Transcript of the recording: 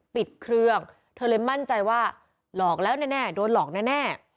ปิดเครื่องเธอเลยมั่นใจว่าหลอกแล้วแน่โดนหลอกแน่